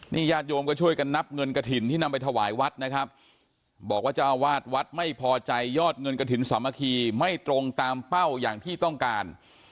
ญาติโยมก็ช่วยกันนับเงินกระถิ่นที่นำไปถวายวัดนะครับบอกว่าเจ้าวาดวัดไม่พอใจยอดเงินกระถิ่นสามัคคีไม่ตรงตามเป้าอย่างที่ต้องการ